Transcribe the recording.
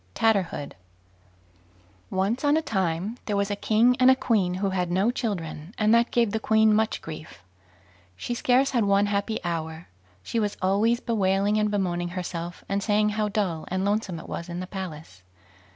TATTERHOOD Once on a time there was a king and a queen who had no children, and that gave the queen much grief; she scarce had one happy hour. She was always bewailing and bemoaning herself, and saying how dull and lonesome it was in the palace.